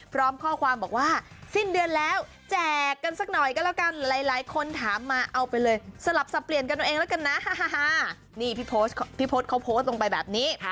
พร้อมข้อความบอกว่าสิ้นเดือนแล้วแจกกันสักหน่อยก็แล้วกันหลายคนถามมาเอาไปเลยสลับสับเปลี่ยนกันเอาเองแล้วกันนะนี่พี่พศเขาโพสต์ลงไปแบบนี้